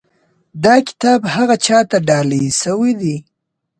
دا کتاب هغه چا ته ډالۍ شوی دی.